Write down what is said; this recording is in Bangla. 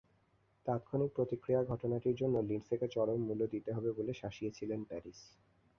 তাত্ক্ষণিক প্রতিক্রিয়ায় ঘটনাটির জন্য লিন্ডসেকে চরম মূল্য দিতে হবে বলে শাসিয়েছিলেন প্যারিস।